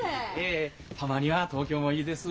いえたまには東京もいいです。